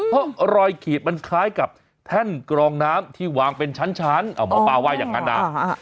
เพราะรอยขีดมันคล้ายกับแท่นกรองน้ำที่วางเป็นชั้นหมอปลาว่าอย่างนั้นนะ